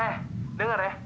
eh denger ya